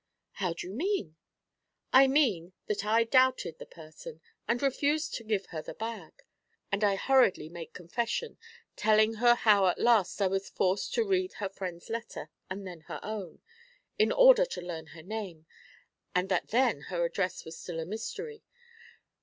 'How do you mean?' 'I mean that I doubted the person, and refused to give her the bag.' And I hurriedly made confession, telling her how at last I was forced to read first her friend's letter and then her own, in order to learn her name, and that then her address was still a mystery.